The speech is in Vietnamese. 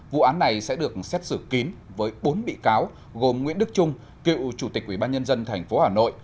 vụ án này sẽ được xét xử kín với bốn bị cáo gồm nguyễn đức trung cựu chủ tịch ubnd tp hà nội